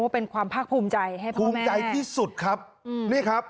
เป็นความพรรคภูมิใจให้พ่อแม่